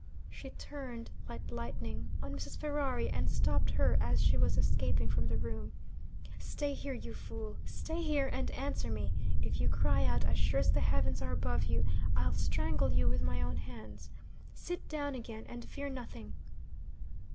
She turned like lightning on Mrs. Ferrari, and stopped her as she was escaping from the room. 'Stay here, you fool stay here, and answer me! If you cry out, as sure as the heavens are above you, I'll strangle you with my own hands. Sit down again and fear nothing.